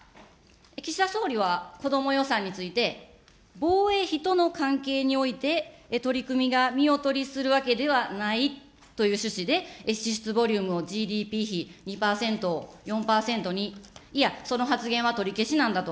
岸田総理は、子ども予算について、防衛費との関係において、取り組みが見劣りするわけではないという趣旨で、支出ボリュームをＧＤＰ比２％を４％に、いや、その発言は取り消しなんだと。